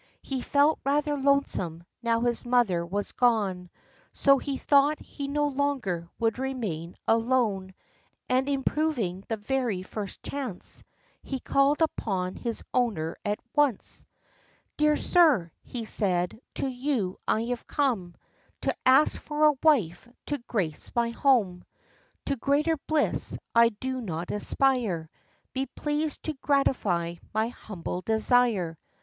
He felt rather lonesome, now his mother was gone; So he thought he no longer would remain alone; And improving the very first chance, He called upon his owner at once. OF CHANTICLEER. 61 "Dear sir/' lie said, "to you I have come, To ask for a wife to grace my home. To greater bliss I do not aspire; Be pleased to gratify my humble desire."